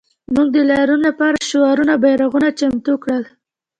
موږ د لاریون لپاره شعارونه او بیرغونه چمتو کړل